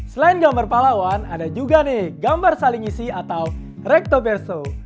selain gambar pahlawan ada juga gambar saling isi atau recto verso